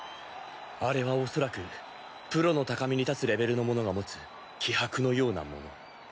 あれはおそらくプロの高みに立つレベルの者が持つ気迫のようなもの。